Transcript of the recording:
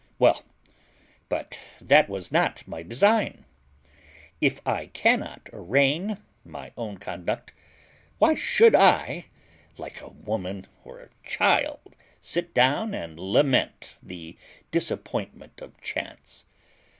Well! but that was not my design. If I cannot arraign my own conduct, why should I, like a woman or a child, sit down and lament the disappointment of chance?